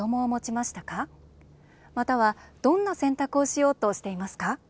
または、どんな選択をしようとしていますか？